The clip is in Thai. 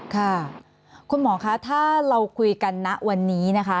ค่ะคุณหมอคะถ้าเราคุยกันณวันนี้นะคะ